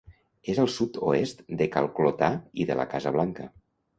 És al sud-oest de Cal Clotar i de la Casa Blanca.